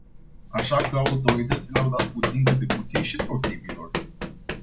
Așa că autoritățile au dat puțin câte puțin și sportivilor.